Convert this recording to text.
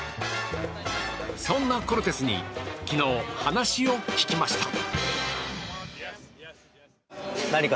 そんなコルテスに昨日、話を聞きました。